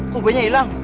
kok buayanya ilang